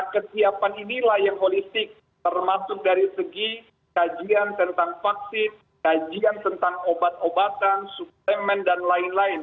kesiapan inilah yang holistik termasuk dari segi kajian tentang vaksin kajian tentang obat obatan suplemen dan lain lain